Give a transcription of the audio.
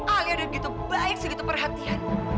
alia udah begitu baik segitu perhatian